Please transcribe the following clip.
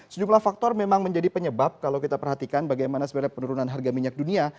sejumlah faktor memang menjadi penyebab kalau kita perhatikan bagaimana sebenarnya penurunan harga minyak dunia